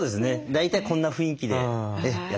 大体こんな雰囲気でやっておりますひとりで。